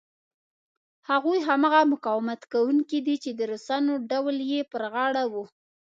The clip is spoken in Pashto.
هغوی هماغه مقاومت کوونکي دي چې د روسانو ډول یې پر غاړه و.